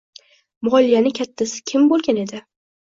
moliyani "kattasi" kim bo‘lgan edi?